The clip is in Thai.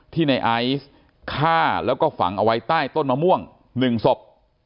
ในไอซ์ฆ่าแล้วก็ฝังเอาไว้ใต้ต้นมะม่วง๑ศพ